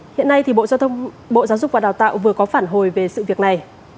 hiện nay thì bộ giao thông bộ giáo dục và đào tạo vừa có phản hồi về sự việc này